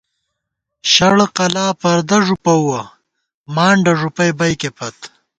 شڑ قلاں پردہ ݫُپُوَہ، مانڈہ ݫُپَئ بَئکے پت